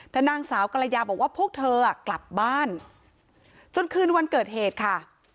แต่นางสาวกรยาบอกว่าพวกเธอกลับบ้านจนคืนวันเกิดเหตุค่ะ